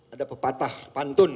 ada pepatah pantun